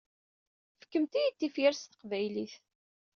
Fkemt-iyi-d tifyar s teqbaylit.